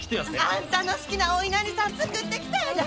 あんたの好きなおいなりさん作ってきたんやで。